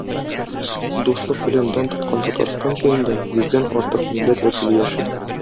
Дуслык белән дан тоткан Татарстан җирендә йөздән артык милләт вәкиле яши.